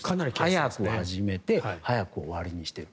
早く始めて早く終わりにしている。